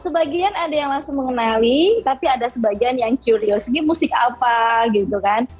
sebagian ada yang langsung mengenali tapi ada sebagian yang curious ini musik apa gitu kan